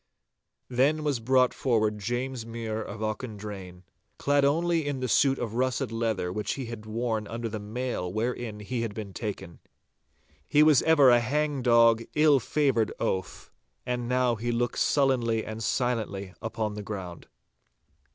Then was brought forward James Mure of Auchendrayne, clad only in the suit of russet leather which he had worn under the mail wherein he had been taken. He was ever a hang dog, ill favoured oaf, and now looked sullenly and silently upon the ground.